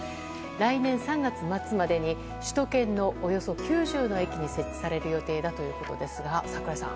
来年３月末までに首都圏のおよそ９０の駅に設置される予定だということですが櫻井さん。